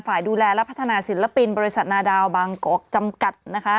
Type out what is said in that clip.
ดูแลและพัฒนาศิลปินบริษัทนาดาวบางกอกจำกัดนะคะ